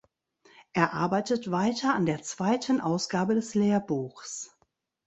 Er arbeitet weiter an der zweiten Ausgabe des Lehrbuchs.